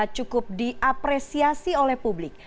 cukup diapresiasi oleh publik